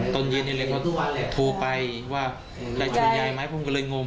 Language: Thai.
ตอนเย็นเย็นเลยเขาโทรไปว่าใครชนยายไหมผมก็เลยงง